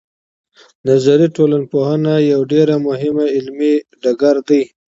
نظري ټولنپوهنه یو ډېر مهم علمي ډګر دی.